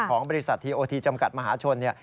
ของบริษัททีโอทีจำกัดมหาชน